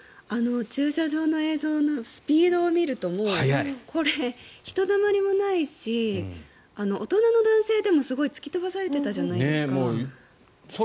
駐車場の映像のスピードを見るとひとたまりもないし大人の男性でも突き飛ばされてたじゃないですか。